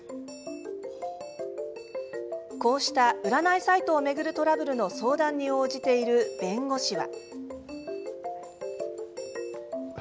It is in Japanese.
こうした占いサイトを巡るトラブルの相談に応じている弁護士は。